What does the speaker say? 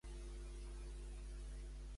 Segons Federica, què representa?